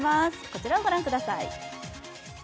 こちらをご覧ください。